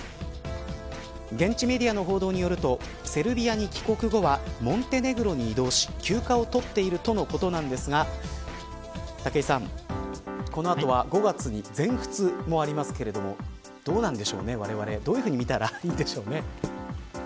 現地メディアの報道によるとセルビアに帰国後はモンテネグロに移動し休暇を取っているとのことなんですが武井さん、この後は５月に全仏もありますけれどもどうなんでしょうね、われわれどういうふうに見たらいいでしょうね。